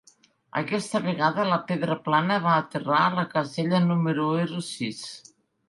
Aquesta vegada la pedra plana va aterrar a la casella número ero sis.